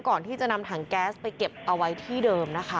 ก่อนที่จะนำถังแก๊สไปเก็บเอาไว้ที่เดิมนะคะ